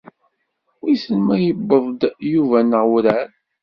Wissen ma yewweḍ-d Yuba neɣ werɛad.